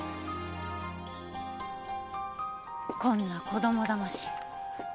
こんな子供だまし